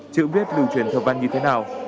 chữ viết lưu truyền thờ văn như thế nào